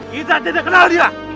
kita tidak kenal dia